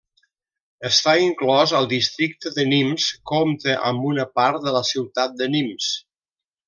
Està inclòs al districte de Nimes, compta amb una part de la ciutat de Nimes.